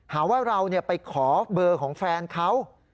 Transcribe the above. หาว่าเราไปขอเบอร์ของแฟนเขา